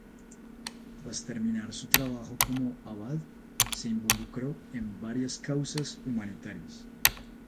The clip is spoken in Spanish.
Tras terminar su trabajo como abad se involucró en varias causas humanitarias.